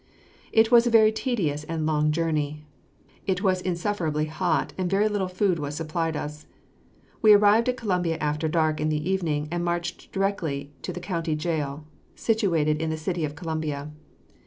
It was a very tedious and trying journey. It was insufferably hot, and very little food was supplied us. We arrived at Columbia after dark in the evening, and marched directly to the county jail, situated in the city of Columbia.